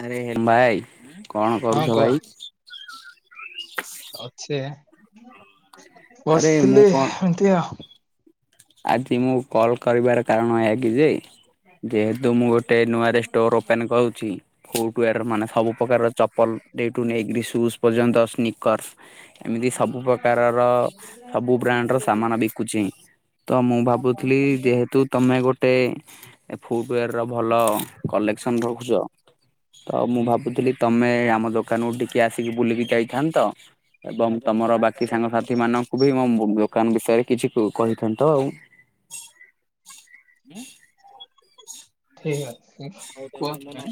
ଆରେ ନାଇ କଣ ହଁ କରୁଛ କୁହ ଭାଇ। ଅଛି ଏ ଆରେ ମୁଁ ବସିଥିଲି କଣ ଏମିତି ଆଉ। ଆଜି ମୁଁ କଲ୍ କରିବାର କାରଣ ଏହାକି ଯେ? ଯେହେତୁ ମୁଁ ଗୋଟେ ନୂଆ ରେଷ୍ଟୋର ଓପେନ କରୁଛି। ଫୁଟୱୟାର ମାନେ ସବୁ ପ୍ରକାରର ଚପଲ। ଡେ ଟୁ ନେଇଗିରି ସୁଜ୍ ପର୍ଯ୍ୟନ୍ତ ସ୍ନିକର୍। ଏମିତି ସବୁ ପ୍ରକାରର ସବୁ ବ୍ରାଣ୍ଡର ସାମାନ ବିକୁଚି। ତ ମୁଁ ଭାବୁଥିଲି ଯେହେତୁ ତମେ ଗୋଟେ ଏ ଫୁଟୱୟାର ର ଭଲ କଲେକ୍ସନ ରଖୁଛ। ତ ମୁଁ ଭାବୁଥିଲି ତମେ ଆମ ଲୋ ଦୋକାନକୁ ଟିକେ ଆସିକି ବୁଲିକି ଯାଇଥାନ୍ତ। ଏବଂ ତମର ବାକି କି ସାଙ୍ଗସାଥି ମାନଙ୍କୁ ବି ମୋ ଦୋକାନ ବିଷୟରେ କିଛି କୁ କହି ଅଛନ୍ତିତ ଆଉ। ଉଁ ଠିକ ଅଛି। ହୁଁ ଆଉ ତମେ ମୋ [unintelligible]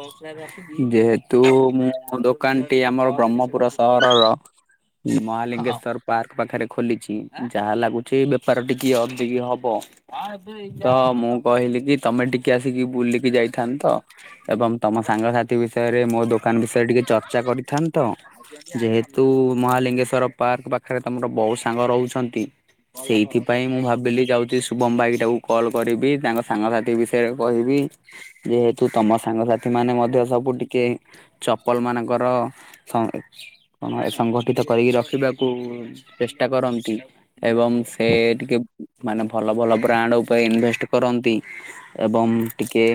ବସ ଯା ଯେହେତୁ ମୁଁ ଦୋକାନଟି ଆମର ବ୍ରହ୍ମପୁର ସହରର। ହଁ ମହାଲିଙ୍ଗେଶ୍ଵର ପାର୍କ ପାଖରେ ଖୋଲିଛି ଯାହା ଲାଗୁ ଛି ବେପାର ଟିକିଏ ଅଧିକ ହବ। ତ ମୁଁ କହିଲି କି ତମେ ଟିକେ ଆସିକି ବୁଲିକି ଯାଇଥାନ୍ତ। ତ ଏବଂ ତମ ସାଙ୍ଗସାଥି ମୋ ବିଷୟରେ ମୋ ଦୋକାନ ବିଷୟରେ ଟିକେ ଚର୍ଚ୍ଚା କରିଥାନ୍ତ। ଯେହେତୁ ମହାଲିଙ୍ଗେଶ୍ୱର ପାର୍କ ପାଖରେ ତମର ବହୁତୁ ସାଙ୍ଗ ରହୁଛନ୍ତି। ସେଇଥିପାଇଁ ମୁଁ ଭାବିଲି ଯାଉଚି ସୁ ବମ୍ବାଇଟାକୁ କଲ୍ କରିବି। ତାଙ୍କ ସାଙ୍ଗସାଥି ବିଷୟରେ କହିବି। ଯେହେତୁ ତମ ସାଙ୍ଗସାଥି ମାନେ ମଧ୍ୟ ସବୁ ଟିକେ ଚପଲ ମାନଙ୍କର ସ ହଁମ ସଂଗଠିତ କରିକି ରଖିବାକୁ ଚେଷ୍ଟା କରନ୍ତି। ଏବଂ ସେ ଟିକେ ମାନେ ଭଲ ଭଲ ବ୍ରାଣ୍ଡ ଉପରେ ଇନଭେଷ୍ଟ କରନ୍ତି। ଏବଂ ଟିକେ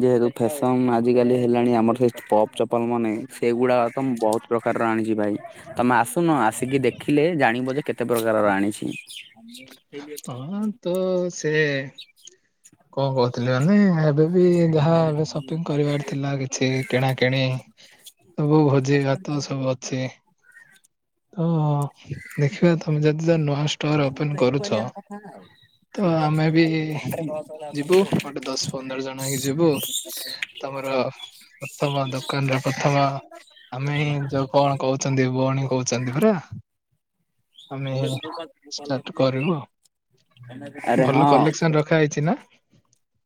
ଯେହେତୁ ଫେସନ ଆଜିକାଲି ହେଲାଣି। ଆମର ସେ ପପ୍ ଚପଲ ମାନେ ସେଗୁଡ଼ାକ ତ ମୁଁ ବହୁତ ପ୍ରକାର ର ଆଣିଛି ଭାଇ। ତମେ ଆସୁନ ଆସିକି ଦେଖିଲେ ଜାଣିବ ଯେ କେତେ ପ୍ର କାରର ଆଣିଛି। ହଁ ତ ସେ କଣ କହୁଥିଲି ମାନେ ଏବେ? ଯିଏ ଯାହା ସପିଂ କରିବାର ଥିଲା କିଛି କିଣାକିଣି। ସବୁ ଭୋଜି ଭାତ ସବୁ ଅଛି। ତ ଦେଖିବା ତମେ ଯଦି ନ ଆସୁ ଏକଚୁଆଲି ଆମେ କଥାନା ଆଉ। ତ ସିନ ଆମେ ଅଛି ବି ଆଉ ଲସ ହେଲା। ଯିବୁ ଗୋଟେ ଦଶ ପନ୍ଦର ଜଣ ହେଇକି ଯିବୁ। ତମର ପ୍ରଥମ ଦୋକାନରେ ପ୍ରଥମ ଆମେ ତୋ କଣ କହୁଛନ୍ତି ଭଉଣୀ କହୁଛନ୍ତି ପରା। ଆମେ ଷ୍ଟାର୍ଟ କରିବୁ ଆରେ ଭଲ ହଁ କଲେକ୍ସନ ର ଖା ହେଇଛି ନା।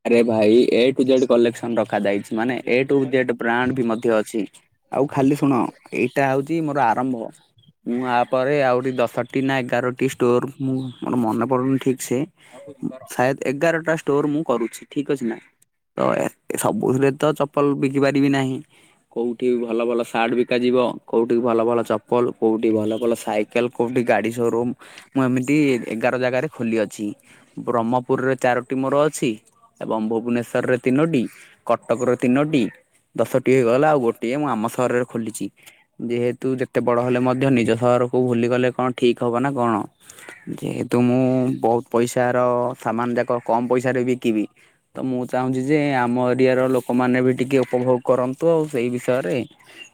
ଆରେ ଭାଇ ଏ ଟୁ ଜେଡ କଲେକ୍ସନ ରଖାଯାଇଛି ମାନେ ଏ ଟୁ ଜେଡ ବ୍ରାଣ୍ଡ ବି ମଧ୍ୟ ଅଛି। ଆଉ ଖାଲି ଶୁଣ ଏଇଟା ହଉଛି ମୋର ଆରମ୍ଭ। ମୁଁ ଆପରେ ଆଉରି ଦଶଟି ନା ଏଗାରଟି ଷ୍ଟୋର ମୁଁ ମୋର ମନେ ପଡୁନି ଠିକ୍ ସେ ସାୟଦ ଏଗାରଟା ଷ୍ଟୋର ମୁଁ କରୁଛି ଠିକ ଅଛି ନା। ତଏ ସବୁଥିରେ ତ ଚପଲ ବିକି ପାରିବି ନାହିଁ। କୋଉଠି ଭଲ ଭଲ ସାର୍ଟ ବିକାଯିବ କୋଉଠି ଭଲ ଭଲ ଚପଲ କୋଉଠି ଭଲ ଭଲ ସାଇ କେଲ କୋଉଠି ଗାଡି ସୋରୁମ ମୁଁ ଏମିତି ଏଗାର ଜାଗାରେ ଖୋଲି ଅଛି। ବ୍ରହ୍ମପୁରରେ ଚାରୋଟି ମୋର ଅଛି। ଏବଂ ଭୁବନେଶ୍ୱରରେ ତିନୋଟି କଟକ ର ତିନୋଟି। ଦଶଟି ହେଇଗଲା ଆଉ ଗୋଟିଏ ମୁଁ ଆମ ସହରରେ ଖୋଲିଛି। ଯେହେତୁ ଯେତେ ବଡ ହେଲେ ମଧ୍ୟ ନିଜ ସହରକୁ ଭୁଲିଗଲେ କଣ ଠିକ ହବ ନା କଣ। ଯେହେତୁ ମୁଁ ବହୁତ ପଇସାର ସାମାନ ଯାକ କମ ପଇସାରେ ବିକିବି। ତ ମୁଁ ଚାହୁଁଛି ଯେ ଆମ ଏରିଆର ଲୋକମାନେ ବି ଟିକେ ଉପଭୋଗ କରନ୍ତୁ ଆଉ ସେଇ ବିଷୟରେ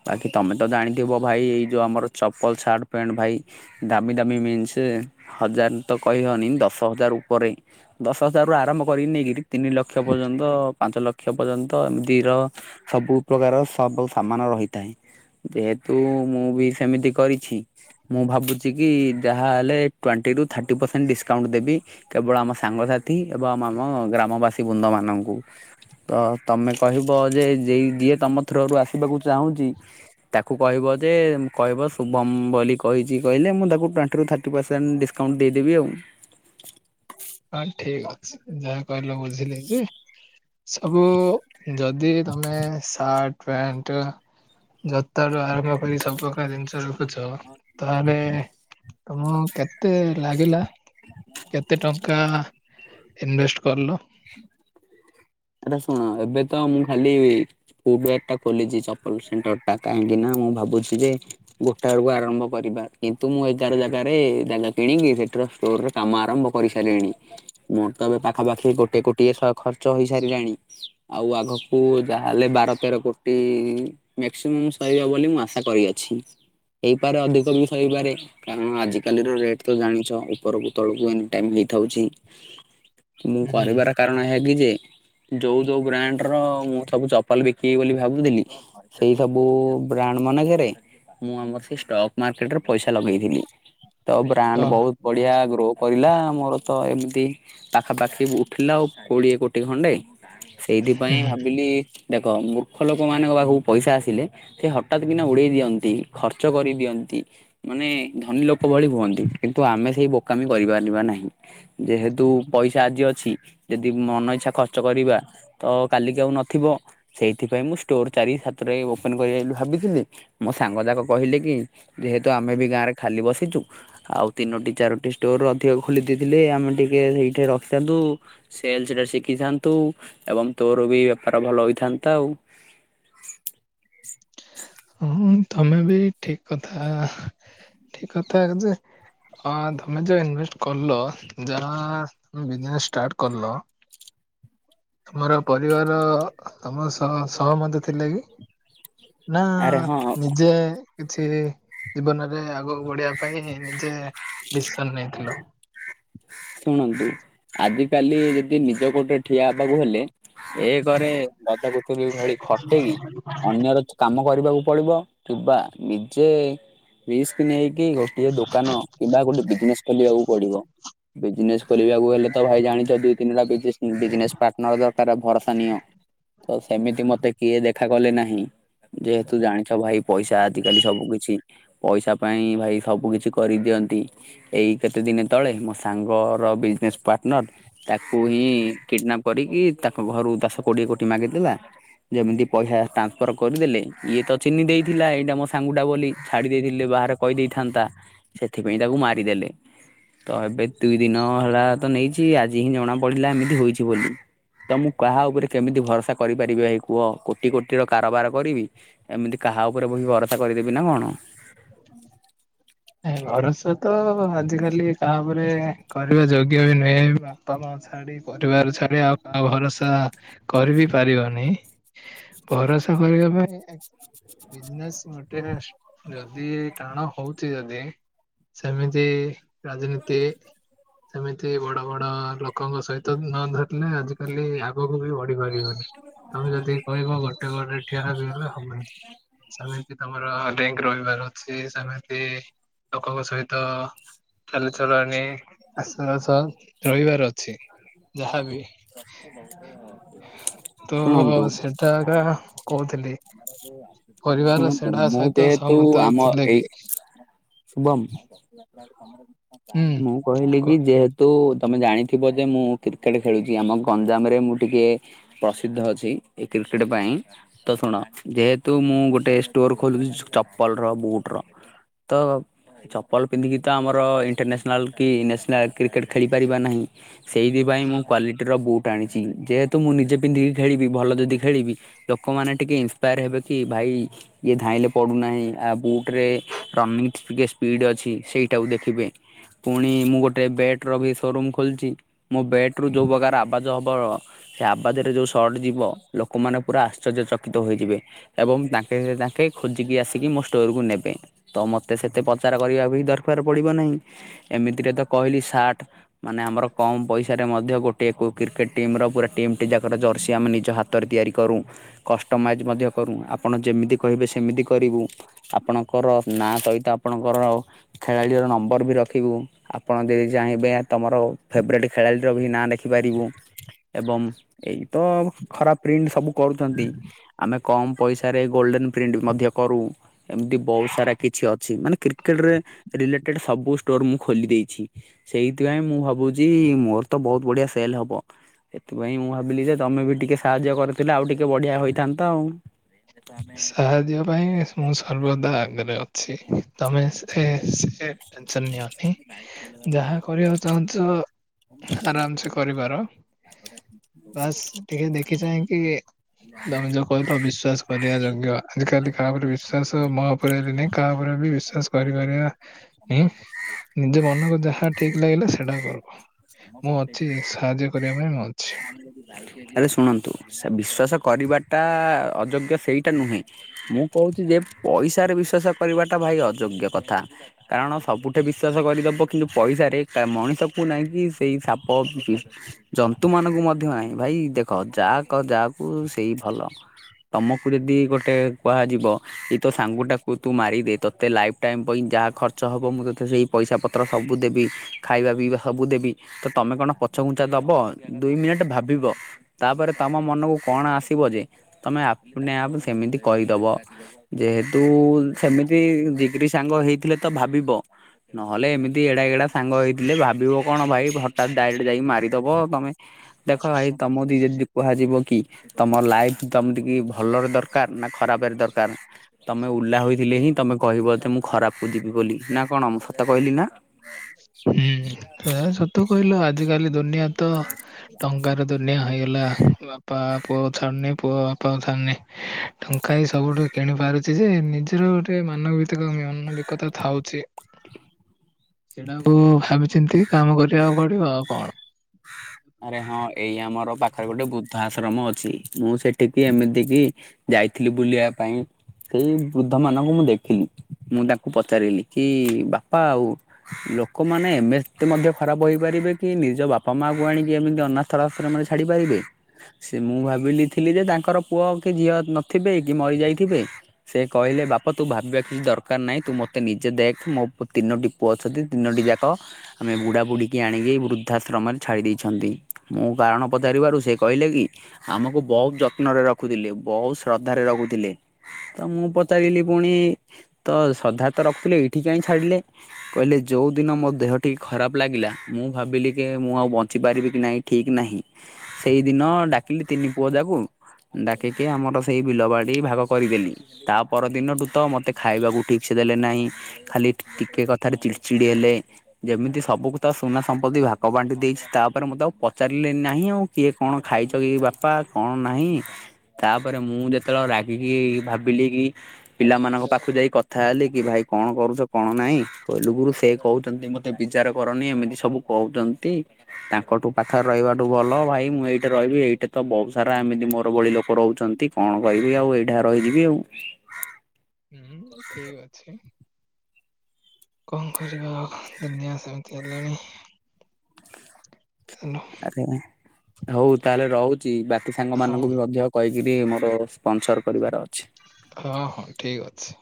ବାକି ତମେ ତ ଜାଣିଥିବ ଭାଇ ଏଇ ଯୋଉ ଆମର ଚପଲ ସାର୍ଟ ପ୍ୟାଣ୍ଟ ଭାଇ ଦାମୀ ଦାମୀ ମିନ୍ସ ହଜାର ତ କହିହେନି ଦଶ ହଜାର ଉପରେ। ଦଶ ହଜାର ରରୁ ଆରମ୍ଭ କରିକି ନେଇ କିରି ତିନି ଲକ୍ଷ ପର୍ଯ୍ୟନ୍ତ ପାଞ୍ଚ ଲକ୍ଷ ପର୍ଯ୍ୟନ୍ତ ଏମିତିର ସବୁ ପ୍ରକାର ସବୁ ସମାନ ରହିଥାଏ। ଯେହେତୁ ମୁଁ ବି ସେମିତି କରିଛି ମୁଁ ଭାବୁଛି କି ଯାହା ହେଲେ ଟ୍ୱେଣ୍ଟି ରୁ ଥାର୍ଟି ପରସେଣ୍ଟ ଡିସକାଉଣ୍ଟ ଦେବି କେବ ଆମ ସାଙ୍ଗସାଥିୀ ଏବଂ ଆମ -ଆମ ଗ୍ରାମ ଆମବାସୀ ବୃନ୍ଦମାନଙ୍କୁ। ତ ତମେ କହିବ ଯେ ଜେଇ ଯିଏ ତମ ଥରରୁ ଆସିବାକୁ ଚାହୁଁଛି ତାକୁ କହିବ ଯେ କହିବ ଶୁଭମ ବୋଲି କହିଛି କହିଲେ ମୁଁ ତାକୁ ଟଣ୍ଟିରୁ ଥାର୍ଟି ପରସେଣ୍ଟଡ଼ିସ କାଉଣ୍ଟ ଦେଇଦେବି ଆଉ। ହଁ ଠିକ ଅଛି ଯାହା କହିଲ ବୁଝିଲି ଯେ ସବୁ ଯଦି ତମେ ସାର୍ଟ ପ୍ୟାଣ୍ଟ ଯ ତହାରୁ ଆରମ୍ଭ କରି ସବୁ ପ୍ରକାର ଜିନିଷ ରଖୁଛ ତାହେଲେ ତମ କେତେ ଲାଗିଲା କେତେ ଟ ଙ୍କା ଇନଭେଷ୍ଟ କରିଲ? ଏଟା ଶୁଣ ଏବେ ତ ମୁଁ ଖାଲି ଫୁଟ [unintelligible] ଖୋଲିଛି ଚପଲ ସେଣ୍ଟର ଟା କାହିଁକି ନା ମୁଁ ଭାବୁଛି ଯେ ଗୋଟା ବେଳକୁ ଆରମ୍ଭ କରିବା କିନ୍ତୁ ମୁଁ ଏଗାର ଜାଗାରେ ଜାଗା କିଣିକି ସେଠର ରରେ କାମ ଆରମ୍ଭ କରିସାରିଲିଣି ମୋର ତ ଏବେ ପାଖାପାଖି ଗୋଟେ କୋଟିଏ ଶହ ଖର୍ଚ୍ଚ ହେଇ ସାରିଲାଣି ଆଉ ଆଗକୁ ଯାହାହେଲେ ବାର ତେର କୋଟି ମକ୍ସିମମ୍ ସହିବ ବୋଲି ମୁଁ ଆଶା କରିଅଛି ହେଇପାରେ ଅଧିକ ବି ସହିପାରେ। କାରଣ ଆଜିିକାଲି ର ରେଟ ତ ଜାଣିଛ ଉପରକୁ ତଳକୁ ଏନି ଟାଇମ ହେଇଥାଉଛି। ମୁଁ ହୁଁ କରିବାର କାରଣ ହେ କି ଯେ ଯୋଉ ଯୋଉ ବ୍ରାଣ୍ଡର ମୁଁ ସବୁ ଚପାଲ ବିକିବି ବୋଲି ଭାବୁଥିଲି। ସେଇ ସବୁ ବ୍ରାଣ୍ଡ ମାନେ କେରେ ମୁଁ ଆମର ସେଇ ଷ୍ଟକ୍ ମାର୍କେଟରେ ପଇସା ଲଗେଇଥିଲି ତ ବ୍ରାଣ୍ଡ ବହୁତ ବଢିଆ ଗ୍ରୋ କରିଲା ମୋର ତ ଏମିତି ପାଖାପାଖି ଉଠିଲା ଆଉ କୋଡିଏ କୋଟିଏ ଖଣ୍ଡେ ସେଇଥିପାଇଁ ଭାବିଲି। ଦେଖ ମୂର୍ଖ ଲୋକମାନଙ୍କ ପାଖକୁ ପଇସା ଆସିଲେ। ସେ ହଠାତ୍ କିନା ଉଡେଇ ଦିଅନ୍ତି ଖର୍ଚ୍ଚ କରିଦିଅନ୍ତି। ମାନେ ଧନୀ ଲୋକ ଭଳି ହୁଅନ୍ତି କିନ୍ତୁ ଆମେ ସେଇ ବୋକାମି କରିବା ବାନି ନାହିଁ। ଯେହେତୁ ପଇସା ଆଜି ଅଛି ଯଦି ମନ ଇଚ୍ଛା ଖର୍ ଖର୍ଚ୍ଚ କରିବା ତ କାଲିକି ଆଉ ନଥିବ ସେଇଥିପାଇଁ ମୁଁ ଷ୍ଟୋର ଚାରି ସାତଟା ଓପନ୍ କରିବି ବୋଲି ଭାବିଥିଲି ମୋ ସାଙ୍ଗ ଯାକ କହିଲେ କି ଯେହେତୁ ଆମେ ବି ଗାଁ ରେ ଖାଲି ବସିଛୁ ଆଉ ତିନୋଟି ଚାରୋଟି ଷ୍ଟୋର ଅଧିକ ଖୋଲି ଦେଇେଇଥିଲେ ଆମେ ଟିକେ ସେଇଠି ରହିଥାନ୍ତୁ ସେଲସରେ ଶିଖିଥାନ୍ତୁ ଏବଂ ତୋର ବି ବେପାର ଭଲ ହେଇଥାନ୍ତା ଆଉ। ହଁ ତମେ ବି ଠିକ୍ କଥା, ଠିକ୍ କଥା ଯେ ହଁ ତମେ ଯେ ଇନଭେଷ୍ଟ କଲ ଯାହା ବିଜନେସ ଷ୍ଟାର୍ଟ କଲ ତମର ପରିବାର ତମ ସହ ସହମତି ଥିଲେ କି? ନା ଆରେ ହଁ ନିଜେ କିଛି ଜୀବନରେ ଆଗକୁ ବଢିବା ପାଇଁ ନିଜେ ଡିସିସନ ନେଇଥିଲ? ଶୁଣନ୍ତୁ ଆଜିକାଲି ଯଦି ନିଜ ଗୋଡରେ ଠିଆ ହେବାକୁ ହେଲେ ଏ କରେ ଗଜକୁଚୁୁରୀ ଭଳି ଖଟେଇକି ଅନ୍ୟର କାମ କରିବାକୁ ପଡିବ କିବା ନିଜେ ରିସ୍କ୍ ନେଇକି ଗୋଟିଏ ଦୋକାନ କିମ୍ବା ଗୋଟେ ବିଜନେସ ଖୋଲିବାକୁ ପଡିବ ବିଜନେସ କରିବାକୁ ହେଲେ ତ ଭାଇ ଜାଣିଛ ଦୁଇ ତିନିଟା ବିଜନେସ ପାର୍ଟନର ତାର ଭରସା ନିଅ ତ ସେମିତି ମତେ କିଏ ଦେଖା କଲେ ନାହିଁ। ଯେହେତୁ ଜାଣିଛ ଭାଇ ପଇସା ଆଜିକାଲି ସବୁ କିଛି ପଇସା ପାଇଁ ଭାଇ ସବୁ କିଛି କରିଦିଅନ୍ତି। ଏଇ କେତେ ଦିନେ ତଳେ ମ ସାଙ୍ଗର ବିଜନେସ୍ ପାର୍ଟନର ତାକୁ ହିଁ କିଡ଼ନାପ୍ କରିକି ତାଙ୍କ ଘରୁ ଦାସ କୋଡ଼ିଏ କୋଟି ମାଗାଇଦେଲା ଯେମିତି ପଇସା ଟ୍ରାନ୍ସଫର୍ କରିଦେଲେ, ଇଏତ ଚିହ୍ନି ଦେଇଥିଲା। ଏଇଟା ମୋ ସାଙ୍ଗଟା ବୋଲି ଛାଡ଼ି ଦେଇେଇଥିଲେ ବାହାର କହିଦେଇଥାନ୍ତା ସେଥିପାଇଁ ତାକୁ ମାରିଦେଲେ ତ ଏବେ ଦୁଇ ଦିନ ହେଲା ତ ନେଇଛି ଆଜି ହିଁ ଜଣା ପଡିଲା ଏମିତି ହେଇଛି ବୋଲି। ତ ମୁଁ କାହା ଉପରେ କେମିତି ଭରସା କରିପାରିବି ଭାଇ କୁହ? କୋଟି କୋଟିର କାରବାର କରିବି ଏମିତି କାହା ଉପରେ ବହି ଭରସା କରିଦେବି ନା କଣ? ଏ ଭରସା ତ ଆଜିିକାଲି କାହା ଉପରେ କରିବା ଯୋଗ୍ୟ ବି ନୁହେଁ ବାପା ମା ଛାଡି ପରିବାର ଛାଡି ଆଉ କାହା ଭରସା କରିବି ପାରିବନି ଭରସା କରିବା ପାଇଁ ବିଜନେସ୍ ଗୋଟେ ଯଦି ଟାଣ ହଉ ସିଜଦି ସେମିତି ରାଜନୀତି ସେମିତି ବଡ ବଡ ଲୋକଙ୍କ ସହିତ ନ ଧରିଲେ ଆଜିକାଲି ଆଗକୁ ବି ବଢି ପାରିବନି ତମେ ଯଦି କହିବ ଗୋଟେ ଗୋଡରେ ଠିଆହେବି ବୋଲି ହବନି। ସେମିତି ତମର ଲିଙ୍କ୍ ରହିବାର ଅଛି ସେମତି ସେ ଲୋକଙ୍କ ସହିତ ଚାଲ ଚଲ ଆଣି ଆସ ଆସ ରହିବାର ଅଛି। ହଁ ଯାହାବି ହଁ ସବୁ ଭଲଭାବରେ ହବ। ତ ସେଟା କା କହୁଥିଲି। ପରିବାର ଶୁଣନ୍ତୁ ସେଟା ମୁଁ ସହିତ ଯେହେତୁ ସହମତ ଆମ ଥିଲେ ଏଇ କି ଶୁଭମ୍ ହୁଁ ମୁଁ କହିଲି କୁହ। କି ଯେହେତୁ ତମେ ଜାଣି ଥିବ ଯେ ମୁଁ କ୍ରିକେଟ ଖେଳୁଛି। ଆମ ଗଞ୍ଜାମରେ ମୁଁ ଟିକେ ପ୍ରସିଦ୍ଧ ଅଛି ଏ କ୍ରିକେଟ ପାଇଁ ତ ଶୁଣ ଯେହେତୁ ମୁଁ ଗୋଟେ ଷ୍ଟୋର ଖୋଲୁଛି ଚପଲ ର ବୁଟ ର ତ ଚପଲ ପିନ୍ଧିକି ତ ଆମର ଇଣ୍ଟରନ୍ୟାସନାଲ କି ନ୍ୟାସନାଲ କ୍ରିକେଟ ଖେଳି ପାରିବା ନାହିଁ ସେଇ ପାଇଁ ହୁଁ। ମୁଁ କ୍ୱାଲିଟିର ବୁଟ୍ ଆଣିଛି। ଯେହେତ ମୁଁ ନିଜେ ପିନ୍ଧିକି ଖେଳିବି, ଭଲ ଯଦି ଖେଳିବି ଲୋକମାନେ ଟିକେ ଇନ୍ସପାୟାର ହେବେ କି ଭାଇ ଇଏ ଧାଇଁଲେ ପଡୁନାହିଁ ଆ ବୁଟ ରେ ରନିଂ ଟିକେ ସ୍ପିଡ଼୍ ଅଛି ସେଇଟାକୁ ଦେଖିବେ। ପୁଣି ମୁଁ ଗୋଟେ ବେଟ୍ ର ବି ସୋରୁମ୍ ଖୋଲିଛି। ମୋ ବେଟ୍ ରୁ ଯୋଉ ପ୍ରକାର ଆବାଜ ହବ ସେ ଆବାଜ ରେ ଯୋଉ ସଟ ଯିବ ଲୋକମାନେ ପୁରା ଆଶ୍ଚର୍ଯ୍ୟ ଚକିତ ହୋଇଯିବେ। ଏବଂ ତାଙ୍କେ ତାଙ୍କେ ଖୋଜିକି ଆସିକି ମୋ ଷ୍ଟୋରକୁୁ ନେବେ। ତ ମତେ ସେତେ ପଚାର କରିବା ବି ଦରକାର ପଡିବ ନେହିଁ। ଏମିତିରେ ତ କହିଲି ସାର୍ଟ ମାନେ ଆମର କମ୍। ପଇସାରେ ମଧ୍ୟ ଗୋଟିଏ କୁ କ୍ରିକେଟ୍ ଟିମ୍ ର ପୁରା ଟିମଟି ଯାକର ଜର୍ସି ଆମେ ନିଜ ହାତରେ ତିଆରି କରୁ। କଷ୍ଟମାଇଜ୍ ମଧ୍ୟ କରୁ ଆପଣ ଯେମିତି। କହିବେ ସେମିତି କରିବୁ ଆପଣଙ୍କର ନାଁ ତହିତ। ଆପଣଙ୍କର ଖେଳାଳିର ନମ୍ବର ବି ରଖିବୁ ଆପଣ ଯଦି ଚାହିଁବେ ତମର ଫେବରାଇଟ୍। ଖେଳାଳିର ବି ନାଁ ନେଖି ପାରିବୁ। ଏବଂ ଏଇ ତ ଖରାପ ପ୍ରିଣ୍ଟ ସବୁ କରୁଚନ୍ତି। ଆମେ କମ୍ ପଇସାରେ ଗୋଲ୍ଡେନ୍ ପ୍ରିଣ୍ଟ୍ ମଧ୍ୟ କରୁ। ଏମତି ବହୁତ ସାରା କିଛି ଅଛି ମାନେ କ୍ରିକେଟରେ ରିଲେଟେଡ ସବୁ ଷ୍ଟୋର ମୁଁ ଖୋଲି ଦେଇଛି। ସେଇଥିପାଇଁ ମୁଁ ଭାବୁଛି ମୋର ତ ବହୁତ ବଢିଆ ସେଲ ହବ। ସେଥିପାଇଁ ମୁଁ ଭାବିଲି ଯେ ତମେ ବି ଟିକେ ସାହାଯ୍ୟ କରିଥିଲେ ଆଉ ଟିକେ ବଢିଆ ହୋଇଥାନ୍ତା ଆଉ। ସାହାଯ୍ୟ ପାଇଁ ମୁଁ ସର୍ବଦା ଆଗରେ ଅଛି ତମେ ସେ ସେ। ଟେନସନ୍ ନିଅନୀ। ଯାହା କରିବାକୁ ଚାହୁଁଛ ଆରାମ୍ ସେ କରିପାର। ବାସ୍ ଟିକେ ଦେଖିଚହିଁକି ତମେ ଯୋଉ କହିଥିଲ ବିସ୍ବାଷ। କରିବା ଯୋଗ୍ୟ ଆଜିିକାଲି କାହା ଉପରେ ବିଶ୍ଵାସ ମୋ ଉପରେ ବି ନାହିଁ କାହା ଉପରେ ବି ବିଶ୍ଵାସ କରିପାରିବା। ସମ [unintelligible] ନିଯେ ମନକୁ ଯାହା ଠିକ୍ ଲାଗିଲା ସେଟା କରବ। ମୁଁ ଅଛି ସାହାଯ୍ୟ କରିବା ପାଇଁ ମୁଁ ଅଛି। ଆରେ ଶୁଣନ୍ତୁ ସେ ବିଶ୍ୱାସ କରିବାଟା ଅଯୋଗ୍ୟ ସେଇଟା ନୁହେଁ। ମୁଁ କହୁଛି ଯେ ପଇସାରେ ବିଶ୍ୱାସ କରିବାଟା ଭାଇ ଅଯୋଗ୍ୟ କଥା। କାରଣ ସବୁଠେ ବିଶ୍ଵାସ କରିଦେବ କିନ୍ତୁ ପଇସାରେ କା ମଣିଷକୁ ନାହିଁକି ସେଇ ସାପ ଜନ୍ତୁ ମାନଙ୍କୁ ମଧ୍ୟ ନାହିଁ ଭାଇ ଦେଖ ଯାହା ଯାହାକୁ ସେଇ ଭଲ। ତମକୁ ଯଦି ଗୋଟେ କୁହାଯିବ। କି ତୋ ସାଙ୍ଗୁ ଟାକୁ ତୁ ମାରିଦେ ତତେ ଲାଇଫ୍ ଟାଇମ୍ ପାଇଁ ଯାହା ଖର୍ଚ୍ଚ ହବ ମୁଁ ତତେ ସେଇ। ପଇସା ପତ୍ର ସବୁ ଦେବି ଖାଇବା ପିଇବା ସବୁ ଦେବି। ତ ତମେ କଣ ପଛଘୁଞ୍ଚା ଦବ ଦୁଇ ମିନିଟ୍ ଭାବ। ଭାବିବ ତାପରେ ତମ ମନକୁ କଣ ଆସିବ ଯେ ତମେ ଆପନେ ଆପ୍ ସେମିତି କହିଦବ। ଯେହେତୁ ସେମିତି ଜିଗ୍ରୀ ସାଙ୍ଗ ହେଇଥିଲେ ତ ଭାବିବ। ନହେଲେ ଏମିତି ଏଡା ଗେଡା ସାଙ୍ଗ ହେଇଥିଲେ ଭାବିବ କଣ ଭାଇ ହଟାତ୍ ଡ଼ାଇରେକ୍ଟ ଯାଇକି ମାରିଦବ ତମେ। ଦେଖ ଭାଇ ତମକୁ ଦି ଯଦି କୁହାଯିବ କି। ତମ ଲାଇଫ୍ ତମେଟିକି ଭଲରେ ଦରକାର ନା ଖରାପରେ ଦରକାର। ତମେ ଉଲ୍ଲା ହୋଇଥିଲେ ହିଁ ତମେ କହିବ ତେ ମୁଁ ଖରାପକୁ ଯିବି ବୋଲି ନା କଣ ମୁଁ ସତ କହିଲି ନା। ହୁଁ ହୁଁ ସେରା ସତ କହିଲ ଆଜିିକାଲି ଦୁନିଆ ତ ଟଙ୍କାର ଦୁନିଆ ହେଇ ହେଲା ବାପା ପୁଅକୁ ଛାଡ଼ୁନି ପୁଅ ବାପାକୁ ଛାଡୁନି। ଟଙ୍କା ହିଁ ସବୁଠୁ କିଣି ପାରୁଛି ଯେ ନିଜର ଗୋଟେ ମାନ ଭିତିକ ମାନବିକତା ଥାଉଛି। ସେଇଟାକୁ ଭାବିଚିନ୍ତି କି କାମ କରିବାକୁ ପଡିବ ଆଉ କଣ। ଆରେ ହଁ ଏଇ ଆମର ପାଖରେ ଗୋଟେ ବୃଦ୍ଧା ଆଶ୍ରମ ଅଛି ମୁଁ ସେଠିକି ଏମିତି କି ଯାଇଥିଲି ବୁଲିବା ପାଇଁ। ସେଇ ବୃଦ୍ଧ ମାନଙ୍କୁ ମୁଁ ଦେଖିଲି ମୁଁ ତାଙ୍କୁ ପଚାରିଲି କି ବାପା ଆଉ। ଲୋକମାନେ ଏମେତେ ମଧ୍ୟ ଖରାପ ହେଇପାରିବେ କି ନିଜ ବାପା ମା କୁ ଆଣିକି ଏମିତି ଅନାଥର ଆଶ୍ରମରେ ଛାଡ଼ିପାରିବେ। ସେ ମୁଁ ଭାବିଲି ଥିଲି ଯେ ତାଙ୍କର ପୁଅ କି ଝିଅ ନଥିବେ କି ମରିଯାଇଥିବେ। ସେ କହିଲେ ବାପ ତୁ ଭାବିବା କିଛି ଦରକାର ନାହିଁ ତୁ ମତେ ନିଜେ ଦେଖ ମୋ ପୁ ତିନୋଟି ପୁଅ ଅଛନ୍ତି ତିନୋଟି ଯାକ ଆମେ ବୁଢ଼ା ବୁଢିକି ଆଣିକି ଏଇ ବୃଦ୍ଧାଶ୍ରମ ରେ। ଛାଡ଼ି ଦେଇଛନ୍ତି ମୁଁ କାରଣ ପଚାରିବାରୁ ସେ କହିଲେ କି। ଆମକୁ ବହୁତ ଯତ୍ନରେ ରଖୁଥିଲେ ବହୁତ ଶ୍ରଦ୍ଧାରେ ରଖୁଥିଲେ। ତ ମୁଁ ପଚାରିଲି ପୁଣି ତ ଶ୍ରଦ୍ଧା ତ ରଖୁଥିଲେ ଏଇଠି କାହିଁ ଛାଡିଲେ? କହିଲେ ଯୋଉ ଦିନ ମୋ ଦେହ ଟିକେ ଖରାପ ଲାଗିଲା ମୁଁ ଭାବିଲି କି ମୁଁ ଆଉ ବଞ୍ଚି ପାରିବି କି ନାହିଁ ଠିକ ନାହିଁ ସେଇଦିନ ଡାକିଲି ତିନି ପୁଅ ଯାକୁ। ଡାକିକି ଆମର ସେଇ ବିଲବାଡ଼ି ଭାଗ କରିଦେଲି। ତା ପରଦିନଠୁ ତ ମୋତେ ଖାଇବାକୁ ଠିକ୍ସେ ଦେଲେ ନାହିଁ। ଖାଲି ଟିକ୍ ଟିକେ କଥାରେ ଚିଡ ଚିଡି ହେଲେ ଯେମିତି ସବୁକୁ ତ ସୁନା ସମ୍ପତ୍ତି ଭାବ କବାଟ ଦେଇଛି ତାପରେ ମୁଁ ତ ଆଉ ପଚାରିଲି ନାହିଁ ଆଉ କିଏ କଣ ଖାଇଛ କି ବାପା କଣ ନାହିଁ। ତାପରେ ମୁଁ ଯେତେବେଳେ ରାଗିକି ଭାବିଲି କି? ପିଲାମାନଙ୍କ ପାଖକୁ ଯାଇ କଥା ହେଲି କି ଭାଇ କଣ କରୁଛ କଣ ନାହିଁ କହିଲୁ ଗୁରୁ ସେ କହୁଛନ୍ତି ମତେ ଏ ବିଚାର କରନି ଏମିତି ସବୁ କହୁଚନ୍ତି। ତାଙ୍କଠୁ ପାଖରେ ରହିବାଠୁ ଭଲ ଭାଇ ମୁଁ ଏଇଠି ରହିବି ଏଇଠି ତ ବହୁତ ସାରା ଏମିତି ମୋର ଭଳି ଲୋକ ରହୁଛନ୍ତି। କଣ କହିବି ଆଉ ଏହିଠାରେ ରହିଯିବି ଆଉ। ହୁଁ ଠିକ୍ ଅଛି। କଣ କରିବା ଆଉ ଦୁନିଆ ସେମିତି ହେଲାଣି‌। ଭଲ। ଆରେ ହଉ ତାହେଲେ ରହୁଛି ବାକି ସାଙ୍ଗ ମାନଙ୍କୁ ବି ହଁ ମଧ୍ୟ। କହିକିରି ମୋର ସ୍ପନସର୍ କରିବାର ଅଛି। ହଁ ହଁ ଠିକ୍ ଅଛି।